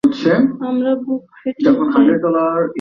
আমার বুক ফেটে যায়।